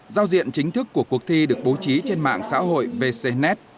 giao diện chính thức của cuộc thi được bố trí trên mạng xã hội vcnet